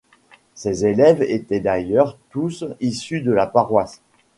Ces élèves étaient d'ailleurs tous issus de la paroisse.